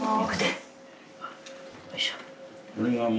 よいしょ。